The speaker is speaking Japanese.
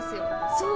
そう！